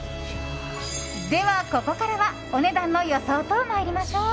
では、ここからはお値段の予想と参りましょう。